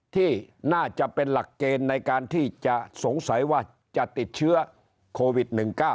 ที่น่าจะเป็นหลักเกณฑ์ในการที่จะสงสัยว่าจะติดเชื้อโควิด๑๙